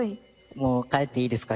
もう帰っていいですか？